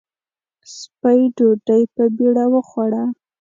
سپۍ ډوډۍ په بېړه وخوړه.